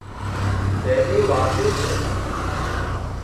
ڀيڏيون واوي سي